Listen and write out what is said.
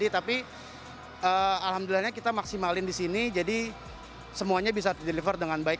tapi alhamdulillah kita maksimal di sini jadi semuanya bisa di deliver dengan baik